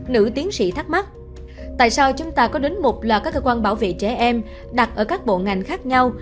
nữ tiến sĩ thắc mắc tại sao chúng ta có đến mục là các cơ quan bảo vệ trẻ em đặt ở các bộ ngành khác nhau